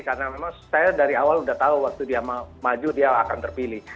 karena memang saya dari awal sudah tahu waktu dia maju dia akan terpilih